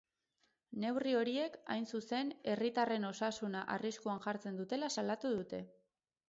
Neurri horiek, hain zuzen, herritarren osasuna arriskuan jartzen dutela salatu dute.